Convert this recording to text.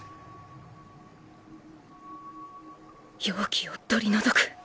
妖気を取り除く